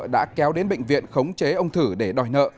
đã kéo đến bệnh viện khống chế ông thử để đòi nợ